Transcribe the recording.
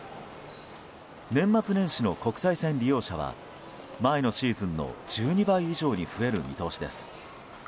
年末年始の国際線利用者は前のシーズンの１２倍以上に増える見通しです。